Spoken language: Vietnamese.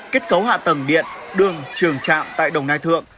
kết cấu hạ tầng điện đường trường trạm tại đồng nai thượng